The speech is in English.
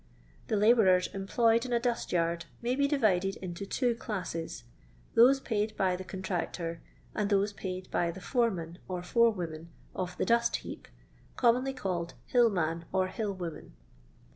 The labourers employed in a dust yard ■ay be divided into two dasscs : those paid by the contractor; and those paid by the foreman or forewoman of the dust heap, commonly adled hill man or hill woman.